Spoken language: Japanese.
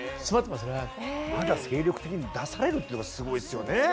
まだ精力的に出されるっていうのがすごいですよね。